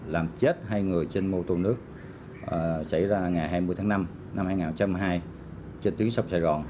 làm chết hai người trên mô tô nước xảy ra ngày hai mươi tháng năm năm hai nghìn hai trên tuyến sông sài gòn